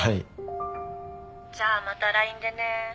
じゃあまたＬＩＮＥでね。